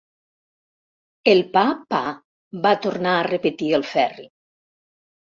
El pa, pa –va tornar a repetir el Ferri.